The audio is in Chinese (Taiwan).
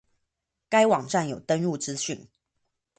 該網站有登入資訊